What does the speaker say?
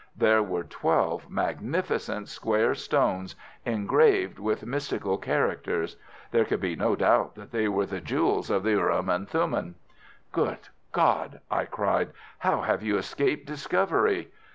There were twelve magnificent square stones engraved with mystical characters. There could be no doubt that they were the jewels of the urim and thummim. "'Good God!' I cried. 'How have you escaped discovery?